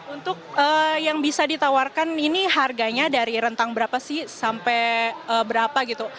untuk yang bisa ditawarkan ini harganya dari rentang berapa sih sampai berapa gitu